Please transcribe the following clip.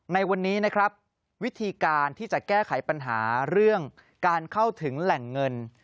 ในวันนี้นะครับวิธีการที่จะแก้ไขปัญหาเรื่องการเข้าถึงแหล่งเงิน